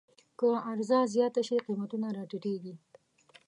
که عرضه زیاته شي، قیمتونه راټیټېږي.